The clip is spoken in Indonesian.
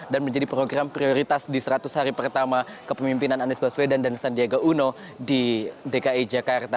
dan menjadi program prioritas di seratus hari pertama kepemimpinan anies baswedan dan sandiaga uno di dki jakarta